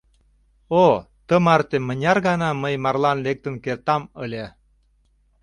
О, тымарте мыняр гана мый марлан лектын кертам ыле!